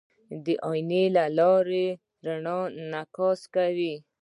د آیینې له لارې رڼا انعکاس کوي.